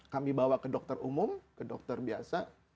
kami bawa ke dokter umum ke dokter biasa